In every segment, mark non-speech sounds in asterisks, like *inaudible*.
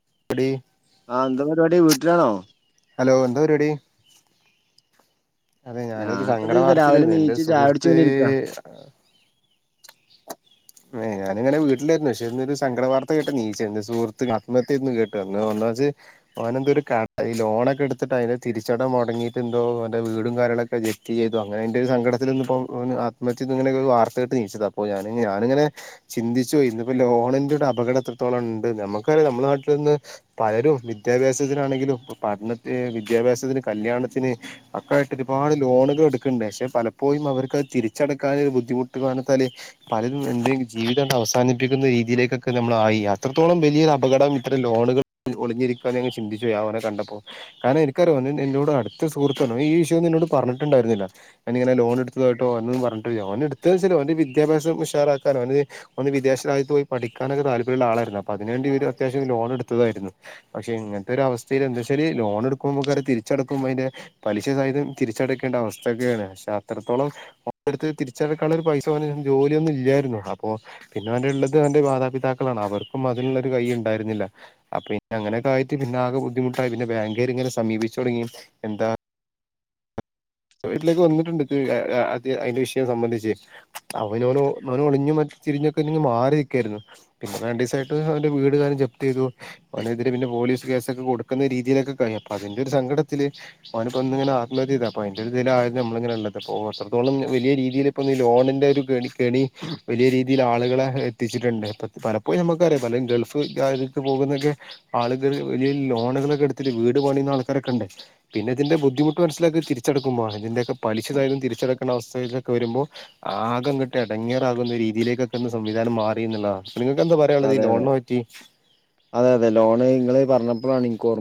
*unintelligible* ആഹ് എന്താ പരിപാടി വീട്ടിലാണോ ഹലോ എന്താ പരിപാടി അതെ ഞാനൊരു ഞാൻ സങ്കട ഇപ്പത് രാവിലെ വാർത്തയിലായിരുന്നു എന്റെ നീച്ച് ചായ കുടിച്ച് സുഹൃത്ത് ഇങ്ങനെ ഇരിക്ക *inaudible* ്ഞാനങ്ങനെ വീട്ടിലായിരുന്നു പക്ഷെ എന്നൊരു സങ്കട വാർത്ത കേട്ട നീച്ച എന്റെ സുഹൃത്ത് ആത്മയന്ന് കേട്ട അന്ന് വന്ന അത് ഓൻ എന്തോ ഈ ലോണൊക്കെ എടുത്തിട്ട് അതിന്റെ തിരിച്ചടം മുടങ്ങിട്ട് എന്തോന്റെ വീടും കാര്യങ്ങളൊക്കെ തെറ്റ് ചെയ്തു അങ്ങനെതി്റെ ഒരു സങ്കടത്തിലൽന്ന ഇപ്പോ ഒന്ന് ആത്യ ഇങ്ങനൊെ വാ ട്ട് നീത് അപ്പോ ഞാനിങ്ങെ ചിന്തിച്ചു പോയി ഇപ്പോ ലോണിന്റെ അപകട എത്രത്തോളം ഉണ്ട് നമുക്ക് നമ്മുടെ നാട്ടിൽ നിന്ന് പലരും വിദ്യാഭ്യാസത്തിനാണെങ്കിലും പഠനത്തി വിദ്യാഭ്യാസത്തിന് കല്യാണത്തിന് ന് ഒക്കൊയിട്ട് ഒരുപാട് ലോണൾടുക്കുന്നുണ്ട് പക്ഷെ പലപ്പോഴും അവർക്ക്ത് തിരിച്ചടക്കാൻ ഒരു ബുദ്ധിമുട്ട് ാൽ പലതും എന്തെും ജീവിതം അവസാനിപ്പിക്കുന്ന രീതിയിലേക്കൊക്കെ നമ്മളായി അത്രത്തോളം വലിയ അപകടം ഇത്രം ലോണുകൾ ഒളിഞ്ഞിരിക്കുകന്ന് ഞൾ ചിന്തിച്ചോ അവനെ കണ്ടപ്പോൾ കാരണം എനിക്കറിയോ എന്നോട് അടു സുഹൃത്തൊ ഈ വിഷയംന്ന എന്നോട് പറഞ്ഞട്ടുണ്ടരുന്നില്ല ഞാന ഇങ്ങന ലോൺ എടുത്തതായിട്ടോന്ന് പറഞ്ഞട്ട എ എ അവന്റെ വിദ്യാഭ്യാസംഷാറാക്കാനും അവന് ഒന്ന് വിദേശ രാജത്ത് പോ പഠിക്കാനൊക്ക താല്ര്യ ആായിരുന്നു അതിനേി അത്യാവശ്യം ലോൺ എടുത്തായിരുന്നു പക്ഷെങ്ങനത്തെ അവസ്ഥയി എന്താ വച്ചല് ലോൺ എടുക്കുമ്പോൾ തിരിച്ചക്കുമ്പോ അതിന്റെ പലിശ സായം തിരിച്ചടക്കേണ്ട അവസ്ഥയൊക്കെയാണ് പക്ഷെ അത്രത്തോളം ള പൈസ പോന്ന ജോലിയൊന്നും ഇല്ലായിരുന്നുള്ളൂ അപ്പോൊ പിന്നെ അവന്റെ ഉള്ളത് അവ്ന്റെ മാതാപിതാക്കളാണ് അവർക്കും അതി കയണ്ടായിുന്നില്ല അപ്പൊ അങ്ങനെൊക്ക ആയിട്ട് പിന്നെകെ ബുദ്ധിമുട്ടായി പിെ ബാങ്കരി ഇനെ സമീപിച്ചു തുടങ്ങി എന്താ വീട്ടിലേക്ക് വന്നിട്ടുണ്ട് അതിന്റെ വിഷയം സംബന്ധിച്ച് അവനോന് അവന ഒളിഞ്ഞു ചിരിഞ്ഞൊക്കെ ഇ മാറി നിൽക്കായിരുന്നു പിന്നെ വാണ്ടസ ആട്ട് അവ്ന്റെ വീടകം ജപ്തി ചെയ്തു അവനെതിരെ പിന്നെ പോലീസ് കേസ്ൊക്കെ കൊടുക്കുന്ന രീതിയിലൊക്കെ കഴ അ അതിന്റെ ഒരു സംങ്കടത്തില് അവപ്പോ ഒന്ന ഇങ്ങനെ ആത്മത്യത അ നല്ലൊരുിലല ആരുന്നു നമ്മിങ്ങനെ ഉള്ളത്പ്പോൾ എത്രത്തോളും വലിയ രീതിയി ഇപ്പോൾ നഈ ലോണിൻറെ ഒരുേടിി എണി വലിയ രീതിയിൽ ആളുകളെ കത്തിട്ടുണ്ട് പലപ്പോഴും നമുക്കറിയാം പല ഗൾഫ്ത്ത് പോകുന്നൊക്കെ ആളുകൾ വലിയ ലോൺ എടുട്ട വീട് പണിയുന്ന ആൾക്കൊക്കെണ്ട പിന്നെതിന്റെ ബുദ്ധിമുട്ട് മനസിലാക്കി തിരി തിച്ചെടുക്കുമ്പോ അതിന്റെയൊക്കെ പലിച്ചതായും തിരിച്ചടുക്കുന്ന അവസ്ഥയിലൊക്കെ വരുമ്പോ ആക കട്ട ഇടങ്ങേറകുന്നരിക്ക രീതിയിലേക്കൊക്കെ സംവിധാനം മാറി എന്നുള്ള അതെ അതെ അതെ അതെ ലോണ് നിങ്ങള് പറഞ്ഞപ്പോളാണ ഓർ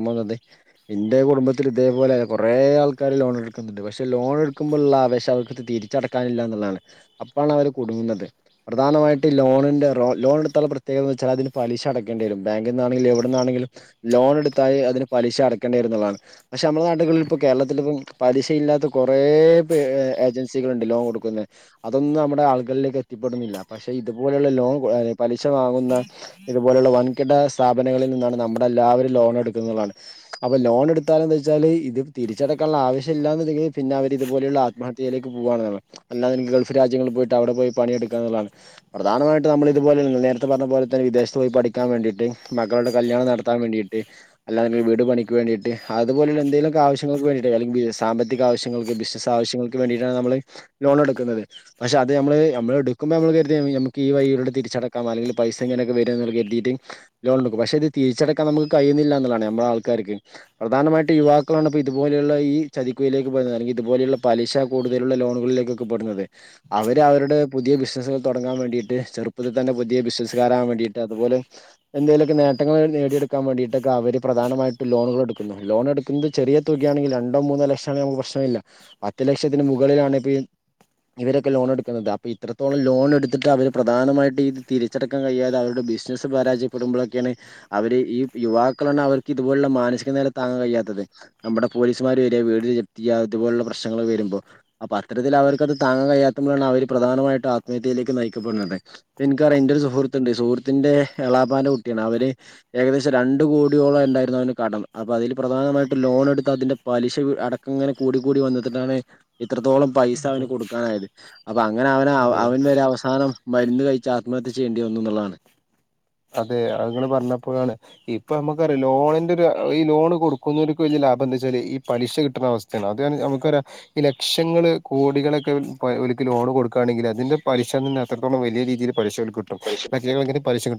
എന്റെ കുടുംബത്തിൽ ഇതേപോലെ കുറേ ആൾക്കാർ ലോൺ എടുക്കുന്നുണ്ട് പക്ഷെ ലോൺ എടുക്കുമ്പോൾ ആവേം അവർ തിരിച്ചടക്കാനില്ല എന്നുള്ളതാണ് അപ്പോാണ് അവർ കുടുങ്ങുന്നത് പ്രധാനമായിട്ട് ലോണ ലോൺ എടുത്തുള്ള പ്ര പ്രത്േക എ വച്ചൽതിന് പലിശ അടക്കണ്ടിരും ബാങ്കിൽ നിാെങ്കില എവിടെ നിന്നാണങ്കിലും ലോൺ എടുായി അന് പലിശടക്കണ്ടിരും താണ് പക്ഷെ നമ്മളുടെ നാട്ടുകളിൽ ഇപ്പോ കേരളത്തി ഇപ്പം പലിശ ഇല്ലാത്ത കുറേ ഏജൻസികൾ ഉണ്ട് ലോൺ കൊടുക്ക അതൊന്നും നമ്മുടെ ആളുകളിലേക്ക് എത്തിപ്പെടുന്നില്ല പക്ഷെ ഇതുപലുള്ള ലോൺ പല ക്ഷ വാങ്ങുന്ന ഇതുപോലെയുള്ള വൻകിട സ്ഥാപനങ്ങളിൽ നിന്നാണ് നമ്മുടെ എല്ലാവരും ലോൺ എടുക്കുന്നാണ് അപ്പൊ ലോൺ എടുത്താല എന്ത വെച്ചാല് ഇത് തിരിച്ചടക്കാനുള്ള ആവശ്യമില്ലാുണ്ടെങ്കിൽ പിന്നെ അവരി ഇപോലെയുള്ള ആത്മഹത്യയിലേക്ക് പോക പോ അല്ലാതെ ഗൾഫ് രാജ്യങ്ങളിൽ പോയിട്ട് അവിടെ പോയി പണിയെടുക്കുക എന്നുള്ളാണ് പ്രധാനമായിട്ട് നമ്മള ഇതുപോലെ അ പറഞ്ഞ പോലെ തന്നെ വിദേശത്ത് പോയി പഠിക്കാൻ വേണ്ടീട്ട് മളുടെ കല്യാണം നടത്താൻ വേണ്ടയിട്ട് അല്ലാെ വീട് പണക്ക് വേണ്ടയിട്ട് അതുപലുള്ള എന്തെങ്കും ആവശ്യൾക്ക് വേണ്ടയിട്ട അല്ലെങ്ക സാമ്പത്തിക ആശ്യങ്ങൾക്ക് ബിനസ് ആവശങ്ങൾക്ക് വേണ്ടയിട്ട നമ്മള് ലോൺ എടുക്കുന്നത്, പക്ഷേ.. അത് നമ്മള്.. നമ്മള് എടുക്കുമ്പോ നമ്മള് കരുതിയാ നമുക്ക് ഈ വഴിയിലൂടെ തിരിച്ചട ങാ.. നല്ലോലെ പൈസ ഇങ്ങനൊക്കെ വരുവെന്നൊക്കെ കരുതീട്ട് ലോണെടുക്കും. പക്ഷേ ഇത് തിരിച്ചടക്കാൻ നമുക്ക് കഴിയുന്നില്ല എന്നുള്ളതാണ്. നമ്മുടെ ആൾക്കാർ ക്കും... പ്രധാനമായിട്ടും യുവാക്കളാണ് ഇപ്പോ ഇതുപോലെയുള്ള ഈ ചതിക്കുയിലേക്ക് പോകുന്നത്. അല്ലെങ്കിൽ ഇതുപോലെയുള്ള പലിശ കൂടുതൽ ലുള്ള ലോണുകളിലേക്കൊക്കെ പെടുന്നത്. അവര് അവരുടെ പുതിയ ബിസിനസുകൾ തുടങ്ങാൻ വേണ്ടിട്ട് ചെറുപ്പത്തി തന്നെ പുതിയ ബിസിനസുകാർ ആകാൻ വേണ്ടീട്ട്... അതുപോലെ എന്തേലുവൊക്കെ നേട്ടങ്ങൾ നേടിയെടുക്കാൻ വേണ്ടിട്ടക്ക അവര് പ്രധാന ലായിട്ട് ലോണുകൾ എടുക്കുന്നു. ലോൺ എടുക്കുന്നത് ചെറിയ തുകയാണെങ്കി, രണ്ടോ മൂന്നോ ലക്ഷമാണെങ്കി നമുക്ക് പ്രശ്നമില്ല. പത്ത് ലക്ഷത്തി മുകളിലാണ് ഇപ്പ ഈ.. ഇവരൊക്കെ ലോൺ എടുക്കുന്നത്. അപ്പൊ ഇത്രത്തോളം ലോൺ എടുത്തിട്ട് അവര് പ്രധാനമായി ഇത് തിരിച്ചടക്കാൻ കഴിയാത അവരുടെ ബിസിനസ്സ് പരാജയപ്പെടുമ്പളൊക്കെയാണ് അവര് ഈ യുവാക്കളാണ് അവർക്ക് ഇതുപോലുള്ള മാനസികനില താങ്ങൻ കഴിയാത്തത്. നമ്മുടെ പോലീസ്മാര് വരിക വീട് ജപ്തി ചെയ്ക ഇതുപോലുള്ള പ്രശ്നങ്ങൾ വരുമ്പോ. അപ്പൊ അത്തരത്തിൽ അവർക്കത് താങ്ങാ കഴിയാത്തപ്പഴാണ് അവര് പ്രധാനമായിട്ടും ആത്മഹത്യയിലേക്ക് നയിക്കപ്പെടുന്നത്. എനിക്കറിയണെന്റെ ഒരു സുഹൃത്തുണ്ട്. സുഹൃത്തിന്റെ.. എളാപ്പാന്റെ കുട്ടിയാണ്, അവര് ഏകദേശം രണ്ട് കോടിയോളം ആയിരുന്ന് അവന് കടം. അപ്പ അതിൽ പ്രധാനമായിട്ട് ലോൺ എടുത്ത് അതിന്റെ പലിശ അടക്കം ഇങ്ങനെ കൂടി കൂടി വന്നിട്ടാണ് എത്രത്തോളം പൈസ അതെ അവന് കൊടുക്കാനായത്. അപ്പൊ അങ്ങനെ അവന്... അതെ അവനൊര് അവസാനം മരുന്ന് കഴി ച്ചാത്മഹത്യ ചെയ്യേണ്ടി വന്നൂന്നുള്ളതാണ്. അതെ... അതുങ്ങള് പറഞ്ഞപ്പോഴാണ്. ഇപ്പൊ നമ്മുക്കറിയാം ലോണിന്റൊരു.. ഈ ലോൺ കൊടുക്കുന്നവരിക്ക് ഇതില അതെന്താച്ചാല്.. ഈ പലിശ കിട്ടുന്ന അവസ്ഥയാണ്. അത് നമുക്കറിയാം.. ഈ ലക്ഷങ്ങള് കോടികളൊക്കെ പ ക്ക്‌ ലോണ് കൊടുക്കയാണെങ്കില് അതിന്റെ പലശ തന്നെ എത്രത്തോളം വലിയ രീതിയില് പലിശവർക്ക്‌ കിട്ടും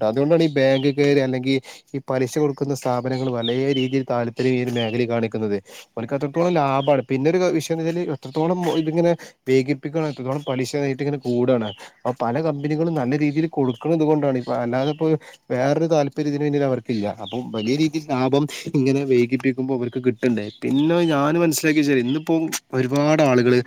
*unintelligible* അതുകൊണ്ടാണീ ബാങ്ക് *unintelligible* അല്ലെങ്കിൽ ഈ പലിശ കൊടുക്കുന്ന സ്ഥാപനങ്ങള് നല്ലേ... രീതിയിൽ താല്പര്യം ഈ ഒരു മേഖലയിൽ കാണിക്കുന്നത്. അവർക്ക് അത്രത്തോളം ലാഭമാണ്. പിന്നെ ഒരു വിഷയംന്ന്വച്ചാല് എത്തോളം ഇതിങ്ങനെ... ഇങ്ങനെ... വൈകിപ്പിക്കണോ അത്രത്തോളം പലിശ ങ്ങനെ കൂടാണ്. അപ്പൊ പല കമ്പനികളും നല്ല രീതിയിൽ കൊടുക്കണതിത് കൊണ്ടാണ് അല്ലാതെ അ വേറൊരു താല്പര്യം ഇതിന് പിന്നിൽ അവർക്കില്ല. അപ്പം വലിയ രീതിയിൽ ലാഭം ഇങ്ങനെ വൈകിപ്പിക്കുമ്പോ അവര്ക്ക്‌ കിട്ടണ്ടേ.. പിന്നെ ഞാൻ മനസ്സിലാക്കിയച്ചാ.. ഇന്നിപ്പം ഒരുപാട് ആളുകള്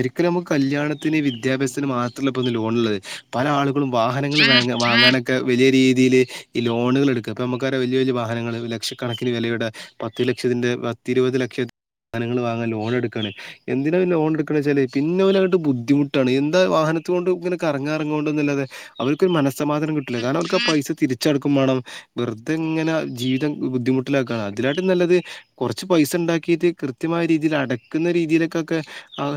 ഒരിക്കലും നമുക്ക് കല്യാണ ത്തിന്, വിദ്യാഭ്യാസത്തിന് മാത്രല്ല ഇപ്പം ഇന്ന് ലോണുള്ളത്. പല ആളുകളും വാഹനങ്ങൾ വാങ്ങാനൊക്കെ വലിയ രീതിയില് ഈ ലോണുകൾ എടുക്കുക. ഇപ്പൊ നമുക്കറിയാം വലിയ വലിയ വാഹനങ്ങൾ ലക്ഷക്കണക്കിന് വിലയുടെ പത്ത് ലക്ഷം അതിന്റെ പത്തിരുപത് ലക്ഷത്തി വാഹനങ്ങള് വാങ്ങാൻ ലോൺ എടുക്കാണ്. എന്തിന ലോൺ എടുക്കുകന്ന് വെച്ചാല് പിന്നെ അവരങ്ങട്ട് ബുദ്ധിമുട്ടാണ് എന്താ വാഹന ത്തോണ്ട് ങ്ങനെ കറങ്ങറങ്ങണൊണ്ടല്ലാതെ അവർക്ക് ഒരു മനസമാധാനം കിട്ടില്ല... കാരണം അവർക്ക് ആ പൈസ തിരിച്ചടക്ക്‌ ക്കേം വേണം... വെറുതെ ഇങ്ങനെ.. ജീവിതം ബുദ്ധിമുട്ടിലാക്കാണ്. അതിലാട്ടും നല്ലത് കുറച്ച് പൈസ ഉണ്ടാക്കി ഇത് കൃത്യമായ രീതിയില്.. അടക്കുന്ന രീതിയിലേക്കൊക്കെ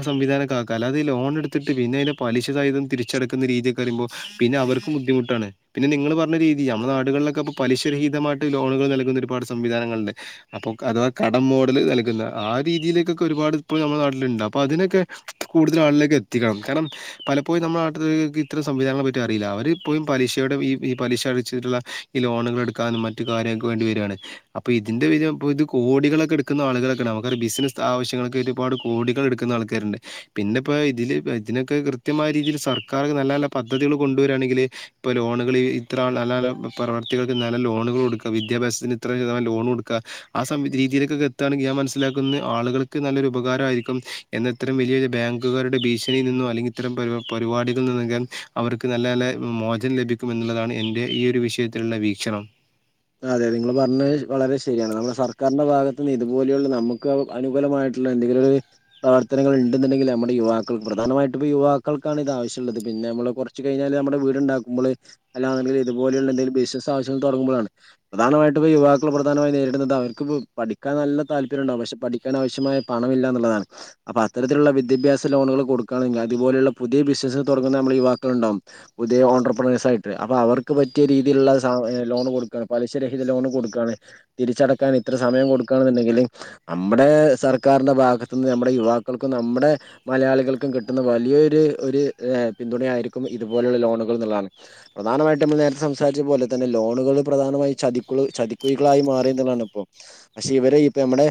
സംവിധാനക്കെ ആക്കുക. അല്ലാതെ ഈ ലോൺ എടുത്തിട്ട് പിന്നേം പലിശസഹിതം തിരിച്ചടക്കുന്ന രീതിയൊക്കെ വരുമ്പോ പിന്നെ അവർക്കും ബുദ്ധിമുട്ടാണ്. പിന്നെ നിങ്ങള് പറഞ്ഞ രീതി, നമ്മുടെ നാട്കളിലൊക്കെ ഇപ്പൊ പലിശരഹിതമായിട്ട് ലോണുകൾ നൽകുന്ന ഒരുപാട് സംവിധാനങ്ങളുണ്ട്. അഥവാ കടം മോഡൽ നൽകുന്ന.. ആ രീതിയിലേക്കൊക്കെ ഒരുപാട് ഇപ്പോൾ നമ്മുടെ നാട്ടിലുണ്ട്. അപ്പൊ അതിനൊക്കെ കൂടുതൽ ആളിലേക്ക് എത്തിക്കണം. കാരണം... പലപ്പോഴും നമ്മുടെ നാട്ടിലോല്ക്കിത്തരം സംവിധാനങ്ങളെപ്പറ്റി അറിയില്ല. അവര് ഇപ്പോഴും പലീശ് ഈ.. ഈ.. പലിശ അടിച്ചിട്ടുള്ള ഈ ലോണുകൾ എടുക്കാനും മറ്റു കാര്യങ്ങൾക്ക് വേണ്ടി വരയാണ്. അപ്പൊ ഇതിന്റെയൊര് ഇപ്പൊ ഇത് കോടികളൊക്കെ എടുക്കുന്ന ആളുകളൊക്കെണ്ട്. നമുക്കൊരു ബിസിനസ് ആവശ്യങ്ങൾക്ക് ഒരുപാട് കോടികൾ എടുക്കുന്ന ആൾക്കാരുണ്ട്. പിന്നെ ഇപ്പോ ഇതില്.. ഇതിനൊക്കെ കൃത്യമായ രീതിയിൽ സർക്കാര് നല്ല നല്ല പദ്ധതികൾ കൊണ്ടുവരിയാണെങ്കില് ഇപ്പൊ ലോണുകൾ ഇത്ര നല്ല നല്ല പ്രവർത്തികൾക്ക് നല്ല ലോണുകൾ കൊടുക്കുക... വിദ്യാഭ്യാസത്തിന് ഇത്ര വീതം ലോണ് കൊടുക്കുക ആ രീതിയിലേക്കൊക്കെ എത്തുകയാണെങ്കി ഞാൻ മനസിലാക്കുന്നത് ആളുകൾക്ക് നല്ലൊരു ഉപകാരമായിയിരിക്കും എന്നാ ഇത്രേം വലിയ ബാങ്കുകാരുടെ ഭീഷണിയിൽ നിന്നോ അല്ലെങ്കിൽ ഇത്തരം പരിപാടികളിൽ നിന്നയിഞ്ഞാൽ അവർക്ക് നല്ല നല്ല മോ ലഭിക്കുമെന്നുള്ളതാണ് എന്റെ ഈയൊരു വിഷയത്തിലുള്ള വീക്ഷണം. അതെ.. നിങ്ങൾ പറഞ്ഞത് വളരെ ശരിയാണ്. നമ്മുടെ സർക്കാരിന്റെ ഭാഗത്തുന്ന് ഇതുപോലെയുള്ള നമുക്ക് അനുകൂലമായ ട്ടുള്ള എന്തെങ്കിലും പ്രവർത്തനങ്ങൾ ഉണ്ടെന്നുണ്ടെങ്കിൽ നമ്മുടെ യുവാക്കൾ.. പ്രധാനമായിട്ടിപ്പോ യുവാക്കൾക്കാണ് ഇത് ആവശ്യമുള്ളത് പിന്നെ പിന്നെ നമ്മള് കുറച്ച് കഴിഞ്ഞാല് നമ്മട വീടുണ്ടാക്കുമ്പള്... അല്ലാെങ്കിൽ ഇതുപോലുള്ള എന്തെങ്കിലും ബിസിനസ് ആവശ്യങ്ങൾ തുങ്ങുമ്പോഴാണ്. പ്രധാനമായിട്ടും ഇപ്പോ യുവാക്കൾ പ്രധാനമായി നേരിടുന്നത് അവർക്ക്‌ പഠിക്കാൻ നല്ല താല്പര്യം ഉണ്ടാവും.. പക്ഷെ പഠിക്കാൻ ആവശ്യമായ പണമില്ല എന്നുള്ളതാണ്. അപ്പൊ അത്തരത്തിലുള്ള വിദ്യാഭ്യാസ ലോണുകൾ കൊടുക്കയാണെങ്കിൽ അതുപോലുള്ള പുതിയ ബിസിനസ് തുടങ്ങുന്ന നമ്മൾ യുവാക്കൾ ഉണ്ടാകും.. പുതിയ എന്റർപ്രെനുവേഴ്സ് ആയിട്ട്. അപ്പോൾ അവർക്ക് പറ്റിയ രീതിയിലുള്ള സാ.. ലോണ് കൊടു പലിശരഹിത ലോൺ കൊടുക്കാണ്, തിരിച്ചടക്കാൻ ഇത്ര സമയം കൊടുക്കുകാന്നുണ്ടെങ്കില് നമ്മുടെ.. സ സർക്കാരിന്റെ ഭാഗത്തു നിന്ന് നമ്മുടെ യുവാക്കൾക്കും, നമ്മുടെ മലയാളികൾക്കും കിട്ടുന്ന വലിയൊരു.. ഒരു പിന്തുണ ആയിരിക്കും ഇതുപോലെയുള്ള ലോണുകൾ എന്നുള്ളതാണ്. പ്രധാനമായിട്ട് നമ്മൾ നേരത്തെ സംസാരിച്ച പോലെ തന്നെ ലോണുകള് പ്രധാനമായി ചതിക്ക ചതിക്കുഴികളായി മാറുന്നതാണ് ഇപ്പോ പക്ഷെ ഇവര് ഇ നമ്മടെ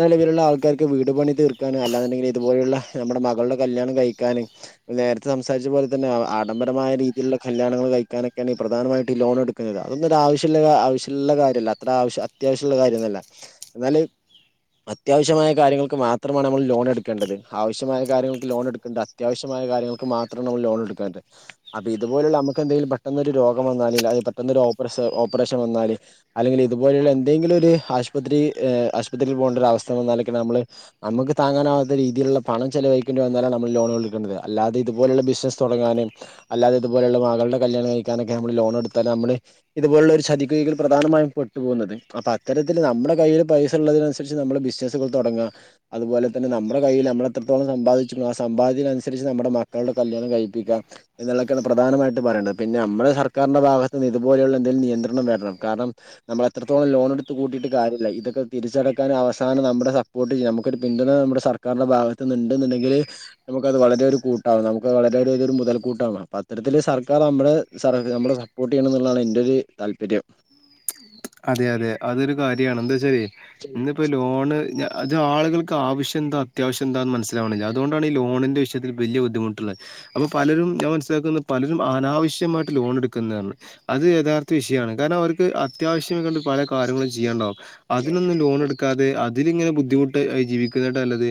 നിലവിലുള്ള ആൾക്കാർക്ക് വീട് പണി തീർക്കാനും അല്ലാണ്ടെങ്കിൽ ഇതുപോലുള്ള നമ്മുടെ മകളുടെ കല്യാണം കഴിക്കാനും നേരത്തെ തുപോലെ തന്ന ആഡംബരമായ രീതിയിലുള്ള കല്യാങ്ങൾ കഴിക്കാനൊക്കെയാണ് ഈ പ്രധാനമായിട്ട ലോൺ എടുക്കുന്നത് അതൊ ഒരു ആവശ്യം ആവശ്യമുള്ള കാര്യമല്ല അത്ര ആവശ്യം അത്യാവശ്യമുള്ള കാര്യന്നുമല്ല എന്നാല് അത്യാവശ്യമായ കാര്യങ്ങൾക്ക് മാത്രമാണ് നമ്മൾ ലോൺ എടുക്കേണ്ടത് ആവശ്യമായ കാര്യങ്ങൾക്ക് ലോൺ എടുക്കേണ്ടത് അത്യാവശ്യമായ കാര്യങ്ങൾക്ക് മാത്രം നമ്മ ലോൺ എണ്ട് അപ്പൊ ഇതുപോലുള്ള നമു എന്തും പെട്ട ഒരു രോഗം വന്ന അ പെട്ട ഒപ്രെസം വാൽ അല്ലെങ്കിൽ ഇതുപലുള്ള എന്തെങ്കിലും ഒരു ആശുപത്രി ആശുപത്രി പോകേണ്ട ഒരു അവസ്ഥ വന്നൽ നമ്മൾ നമുക്ക് താങ്ങാനാവാത്ത രീതിയിലുള്ള പണം ചെലവഴിക്കേണ്ട എന്ന നമ്മൾ ലോൺക്കുന്നത് അാതെ ഇതുപലുള്ള ബിസിനസ് തുടങ്ങാനും അല്ലാെ ഇതുപലുള്ള മളുടെ കല്യാണം കഴിക്കാനൊക്കെ നമ്മള് ലോൺ എടുത്തും നമ്മള് ഇപോലുള്ള ചതിക്കുകൽ പ്രധാനമായും പെട്ടു പോകുന്നത് അപ്പൊ അത്തരത്തിൽ നമ്മുടെ കയ്യിൽ പൈസ ഉള്ളതിനനുസരിച്ച് നമ്മള് ബിസിനസ്സുകൾ തുടങ്ങ ടങ്ങ അതുപോലെ തന്നെ നമ്മുടെ കയ്യിൽ നമ്മള എത്രത്തളം സമ്പാദിച്ചി ആ സമ്പാദത്തിനനുസരിച്ച് നമ്മുടെ മക്കളുടെ കല്യാണം, കഴിപ്പിക്കുക എന്നുള്ളൊെയാണ് പ്രധാനമായിട്ട് പറയത് പിന്നെ നമ്മുടെ സർക്കാരിന്റെ ഭാഗത്ത് നി ഇതുപോലുള്ള എന്തും നിയ ണം വരണം കാരണം നമ്മൾ എത്രത്തോളം ലോൺ എടുത്ത് കൂട്ടിയിട്ട് കാര്യമില്ല ഇതൊക്കെ തിരിച്ചെടക്കാൻ അവസാന നമ്മുടെ സപ്പോർട്ട് ചെയ്യാം നമുക്കൊരു പിന്തുണ നമ്മുടെ സർക്കാരിന്റെ ഭാഗത്തുന്നുണ്ടെന്നുണ്ടെങ്കിൽ നമുക്കത് വളരെ ഒരു കൂട്ടാകും നമുക്ക് ഇതൊരു മുതൽക്കൂട്ടാണ് അപ്പൊ അത്തരത്തിൽ സർക്കാർ നമ്മെ സപ്പോർട്ട് ചെയ്യണം എന്നുള്ളാണ് എന്റെ ഒരു താല്പര്യം അതെ അതെ അതൊരു കാര്യമാണ് എന്താ വച്ചാല് ഇന്നിപ്പോ ലോണ് അത് ആളുകൾക്ക് ആവശ്യം എന്താ അത്യാവശ്യം എന്താണെന്ന് മനസ്സിലാവുന്നില്ല അതൊണ്ടാണ് ഈ ലോണിന്റെ വിഷയത്തിൽ വലിയ ബുദ്ധിമുട്ടുള്ളത് അപ്പൊ പലരും ഞാൻ മനസ്സിലാക്കുന്നു പലരും അനാവശ്യമായിട്ട് ലോൺ എടുക്കുന്നതാണ് അത് യഥാർത്ഥ വിഷയമാണ്. കാരണം അവർക്ക് അത്യാവശ്യം പല കാര്യങ്ങളും ചെയ്യാനിണ്ടാകും അതിനൊന്നും ലോൺ എടുക്കാതെ അതിലിങ്ങനെ ബുദ്ധിമുട്ട് ജീവിക്കുന്നകാളും നല്ലത്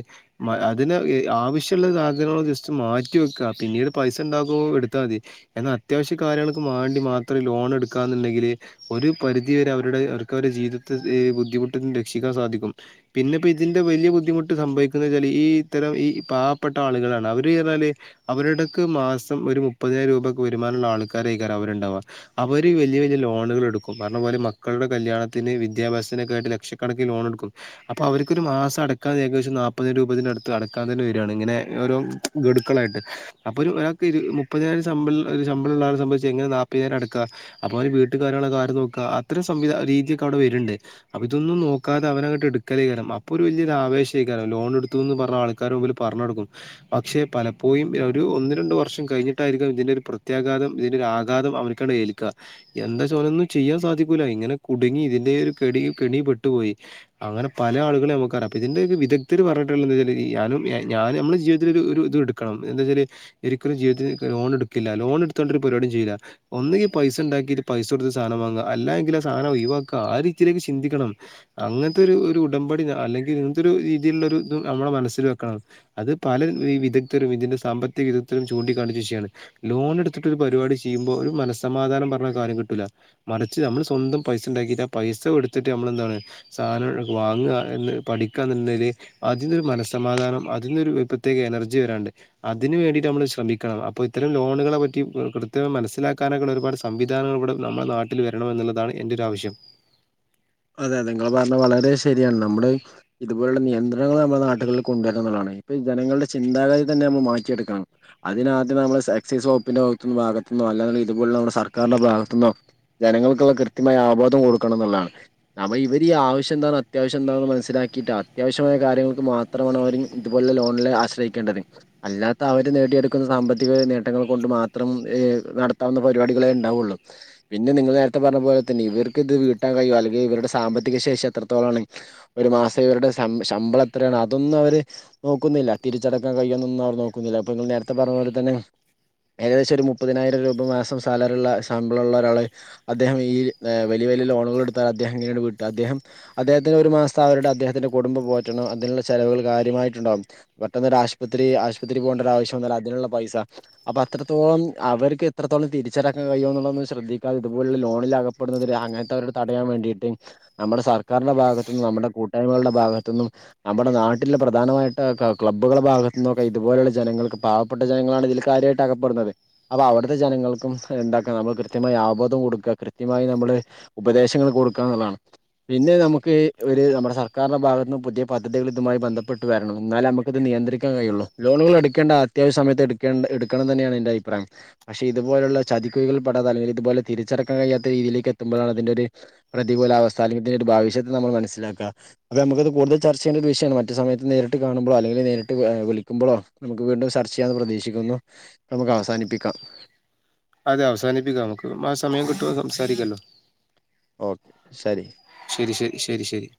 അതിന് ആവശ്യമുള്ള സാധനങ്ങൾ ജസ്റ്റ് മാറ്റി മാറ്റിവെക്കുക പിന്നീട് പൈസ ഉണ്ടാകുമ്പോ എടുത്താൽ മതി എന്നാൽ അത്യാവശ്യ കാര്യങ്ങൾക്ക് വേണ്ടി മാത്രം ലോൺ എടുക്കാ ന്നുണ്ടെങ്കിൽ ഒരു പരിധി വരെ അവരുടെ അവർക്ക് അവരുടെ ജീവിതത്തിലെ ബുദ്ധിമുട്ടും രക്ഷിക്കാൻ സാധിക്കും. പിന്നെ ഇപ്പോ ഇതിന്റെ വലിയ ബുദ്ധിമുട്ട് സംഭവിക്കുന്നെവച്ചാൽ ഈ ഇത്തരം ഈ പാവപ്പെട്ട ആളുകളാണ് അവര് പറഞ്ഞാല് അവരുടൊക്കെ മുപ്പതിനായിരം രൂപ വരുമാനം ആൾക്കാർ ഉണ്ടാവുക അവര് വലിയ വലിയ ലോണുകൾ എടുക്കും കാരണം അവരുടെ മക്കളുടെ കല്യാണത്തിന് വിദ്യാഭ്യാസത്തിനൊക്കെ ആയിട്ട് ലക്ഷക്കണക്കിന് ലോൺ എടുക്കും അപ്പൊ അവർക്കൊരു മാസ അടക്കാൻ ഏകദേശം നാപ്പത് രൂപ അടുത്ത് അടക്കാൻ തന്നെ വരികയാണ് ഇങ്ങനെ ഓരോ ഗഡുക്കളായിട്ട് അപ്പോ മുപ്പത്തിനായിരം ശമ്പളം ഉള്ള ആൾ എങ്ങനെ നാപ്പത്തിനായിരം അടക്ക അപ്പോൾ വീട്ടി തന്നെയുള്ള കാര്യങ്ങൾ *unintelligible* രീതിയൊക്കെ അവിടെ വരുന്നുണ്ട് അപ്പോ ഇതൊന്നും നോക്കാതെ അവനങ്ങട്ട് എടുക്കും അപ്പൊ ഒരു വല ആവേശം ആയിട്ട് ലോൺ എടുത്തുന്നു ആൾക്കാരുടെ മുന്നിൽ പറഞ്ഞു നടക്കും പക്ഷെ പലപ്പോഴും ഒരു *inaudible* ഒന്നു രണ്ടു വർഷം കഴിഞ്ഞിട്ടായിരിക്കും ഇതിന്റെ ഒരു പ്രത്യാഘാതം ഇതിന്റെ ഒരു ആഘാതം അവനിക്ക് ഏൽക്കുക എന്താന്നു ചെയ്യാൻ സാധിക്കൂല ഇങ്ങനെ കുടുങ്ങി ഇതിന്റെ ഒരു കെണി പെട്ടുപോയി, അങ്ങനെ പല ആളുകളും നമുക്കറിയാം അപ്പ ഇതിന്റെയൊക്കെ വിദഗ്ധർ പറഞ്ഞട്ടുള്ള എന്താന്ന് വച്ചാ നമ്മൾ ജീവിതത്തിൽ ഒരു ഇത് എടുക്കണം എന്താ വച്ചാ ഒരിക്കലും ജീവിത്തിൽ ലോൺ എടുക്കില്ല ലോൺ എടുത്തൊണ്ട് ഒരു പരിപാടിയും ചെയ്യില്ല ഒന്നിൽ പൈസണ്ടാക്കിട്ട് പൈസ *inaudible* സാധനം വാങ്ങുക അല്ല എങ്കിൽ ആ സാധനം ഒഴവാക്കുക ആ രീതിയിലേക്ക് ചിന്തിക്കണം അങ്ങനത്തെ ഒരു ഉടമ്പടി ന്തൊരു രീതിയിലുള്ള ഇത് നമ്മൾ മനസ്സിൽ വെക്കണം. അത് പല വിദഗ്ധരും ഇതിന്റെ സാമ്പത്തിക വിദഗ്ധരും *unintelligible* ചൂണ്ടിക്കാണിച്ച ഒരു വിഷയമാണ് ലോൺ എടുത്തിട്ട് പരിപാടി ചെയ്യുമ്പോ ഒരു മനസ്സമാധാനം പറഞ്ഞ കാര്യം കിട്ടില്ല മറിച്ച് നമ്മൾ സ്വന്തം പൈസ ഉണ്ടാക്കിട്ട് ആ പൈസ കൊടുത്തിട്ട് നമ്മൾന്താണ് സാധനം വാങ്ങുക എന്ന് പഠിക്കാതിൽ *inaudible* അതിനരു മനസമാധാനം അതിനൊരു പ്രത്യേക എനർജി വരാറുണ്ട് അതിന് വേണ്ടി *unintelligible* നമ്മൾ ശ്രമിക്കണം അപ്പോ ഇത്തരം ലോണുകളെ പറ്റി കൃത്യം മനസ്സിലാക്കാനൊക്കെയുള്ള ഒരുപാട് സംവിധാനങ്ങൾ ഇവിടെ നമ്മുടെ നാട്ടിൽ വരണം എന്നുള്ളതാണ് എന്റെ ഒരു ആവശ്യം അതെ നിങ്ങൾ പറഞ്ഞ വളരെ ശരിയാണ് നമ്മുടെ ഇതുപോലുള്ള നിയന്ത്രണങ്ങൾ നമ്മുടെ നാട്ടുകളിൽ കൊണ്ടു വരണമെന്നുള്ളതാണ് ഇപ്പം ജനങ്ങളുടെ ചിന്താഗതി തന്നെ നമ്മൾ മാറ്റിയെടുക്കണം അതിനാദ്യം നമ്മടെ എക്സ്സൈസ് വകുപ്പിന്റെ ഭാഗത്ത *inaudible* അല്ലങ്കിൽ ഇതുപോലുള്ള നമ്മുടെ സർക്കാരിന്റെ ഭാഗത്തുന്നോ ജനങ്ങൾക്കുള്ള കൃത്യമായ ആവബോധം കൊടുക്കണം എന്നുള്ളതാണ് അപ്പ ഇവര് ഈ ആവശ്യം എന്താണ് അത്യാവശം എന്താണെന്ന് മനസ്സിലാക്കിയിട്ട് അത്യാവ്യശ്യ കാര്യങ്ങൾക്ക് മാത്രമാണ് അവർ ഇതുപോലെ ലോണിന് ആശ്രയിക്കേണ്ടത് അല്ലാതെ അവര് നേടിയെടുക്കുന്ന സാമ്പത്തിക നേട്ടങ്ങൾ കൊണ്ട് മാത്രം നടത്താവുന്ന പരിപാടികളെ ഉണ്ടാവുള്ളൂ. പിന്നെ നിങ്ങൾ നേരത്തെ പറഞ്ഞ പോലെ തന്നെ ഇവർക്ക് ഇത് വീട്ടാൻ കഴിയുമോ അല്ലെങ്ക ഇവ ടെ സാമ്പത്തിക ശേഷി എത്രത്തോളം ആണ് ഒരു മാസം ഇവരുടെ ശമ്പളം എത്രയാണ് അതൊന്നും അവർ നോക്കില്ല. നോക്കുന്നില്ല തിരിച്ചടക്കാൻ കഴിയൊന്നൊന്നും അവർ നോക്കുന്നില്ല അപ്പ നിങ്ങള് നേരത്തെ പറഞ്ഞപോലെ തന്നെ ഏകദേശം ഒരു മുപ്പതിനായിരം രൂപ മാസം സാലറിയുള്ള ശമ്പളം ഉള്ള ഒരാൾ അദ്ദേഹം ഈ വലി യ വിലയിൽ ലോണുകൾ എടുത്ത അദ്ദേഹം എങ്ങനെയാണ് വീട്ടുക അദ്ദേഹം അദ്ദേഹത്തിന് ഒരു മാസം അവരുടെ അദ്ദേഹത്തിന്റെ കുടുംബം പോറ്റണം അതിനുള്ള ചിലവുകൾ കാര്യമായിട്ട് പെട്ടെന്നൊരാശുപത്രി ആശുപത്രി പോകേണ്ട ആവശ്യം വന്നാൽ അതിനുള്ള പൈസ അപ്പോ അത്രോളം ഇവർക്ക് എത്രത്തോളം തിരിച്ചടക്കാൻ കഴിയുമോ എന്നുള്ളത് ശ്രദ്ധിക്കാത ഇതുപോലുള്ള ലോണിൽ അകപ്പെടുന്നതിന് അങ്ങനത്തെ അവർ തടയാൻ വേണ്ടിട്ട് നമ്മുടെ സർക്കാരിന്റെ ഭാഗത്തുനിന്നും നമ്മുടെ കൂട്ടായ്മകളുടെ ഭാഗത്തു നിന്നും നമ്മുടെ നാട്ടിലെ പ്രധാനമായിട്ട് ക്ലബ്ബുകളുടെ ഭാഗത്തിന്നൊക്കെ ഇതുപോലെയുള്ള ജനങ്ങൾക്ക് പാവപ്പെട്ട ജനങ്ങളാണ് ഇതിൽ കാര്യമായിട്ട് അകപ്പെടുന്നത് അപ്പ അവ അവിടുത്തെ ജനങ്ങൾക്കും ഉണ്ടാക്കാം നമ്മൾ കൃത്യമായി അവബോധം കൊടുക്കുക കൃത്യമായി നമ്മൾ ഉപദേശങ്ങൾ കൊടുക്കുക എന്നുള്ളതാണ് പിന്നെ നമുക്ക് ഒരു നമ്മുടെ സർക്കാരിന്റെ ഭാഗത്തു നിന്ന് പുതിയ പദ്ധതികൾ ഇതുമായി ബന്ധപ്പെട്ട് വരണം എന്നാലെ നമുക്കിത് നിയന്ത്രിക്കാൻ കഴിയുള്ളൂ ലോണുകൾ എടുക്കേണ്ട അത്യാവശ്യ സമയത്ത് എടുക്കണ്ട എടുക്കണമെന്നു തന്നെയാണ് എന്റെ അഭിപ്രായം പക്ഷെ ഇതുപോലുള്ള ചതിക്കുഴികൾ പെടാതെ അല്ലെങ്കിൽ ഇതുപോലെ തിരിച്ചടക്കാൻ കഴിയാത്ത രീതിയിലേക്ക് എത്തുമ്പോഴാണ് ഇതിന്റെ ഒരു പ്രതികൂല അവസ്ഥ അല്ലെങ്കിൽ ഒരു ഭവിഷത്ത് നമ്മൾ മനസിലാക്കുക അപ്പൊ നമുക്കത് കൂടുതൽ ചർച്ച ചെയ്യേണ്ട ഒരു വിഷയമാണ് മറ്റു സമയത്ത് നേരി ട്ട് കാണുമ്പോ അല്ലെങ്കിൽ നേരിട്ട് വിളിക്കുമ്പോളോ നമുക്ക് വീണ്ടും ചർച്ച ചെയ്യാന്ന് പ്രതീക്ഷിക്കുന്നു നമുക്ക് അവസാനിപ്പിക്കാം അതെ അവസാനിപ്പിക്കാം നമുക്ക് മാ സമയം കിട്ടുമ്പോ സംസാരിക്കാലോ ഓക്കെ ശരി ശെരി ശെരി ശെരി ശെരി